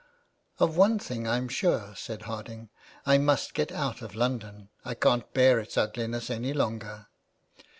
" Of one thing I'm sure," said Harding. '' I must get out of London. I can't bear its ugliness any longer."